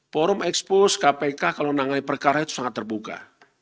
forum ekspos kpk kalau menangani perkara itu sangat terbuka